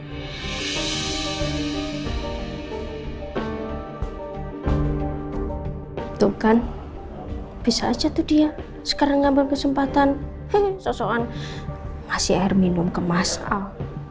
itu kan bisa aja tuh dia sekarang ngambil kesempatan hehehe sosokan masih air minum kemas al